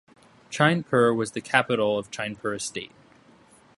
Chainpur was the capital of Chainpur Estate.